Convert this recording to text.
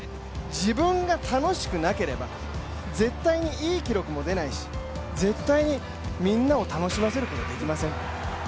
自分が楽しくなければ絶対にいい記録も出ないし絶対にみんなを楽しませることはできません。